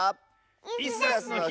「イスダスのひ」